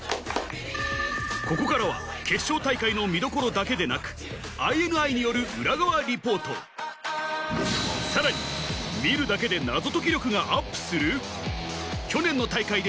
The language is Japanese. ここからは決勝大会の見どころだけでなくＩＮＩによるさらに見るだけで謎解き力がアップする？